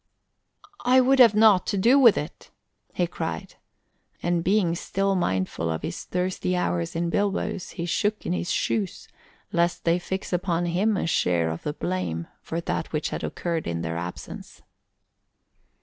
"I would have nought to do with it," he cried, and being still mindful of his thirsty hours in bilboes, he shook in his shoes lest they fix upon him a share of the blame for that which had occurred in their absence.